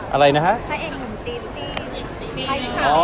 อันนี้แชนเจนถูกแล้วค่ะ